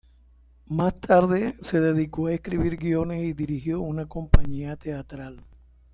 Más tarde, se dedicó a escribir guiones y dirigió una compañía teatral.